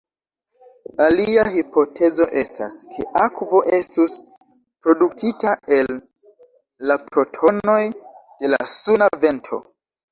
Alia hipotezo estas, ke akvo estus produktita el la protonoj de la suna vento.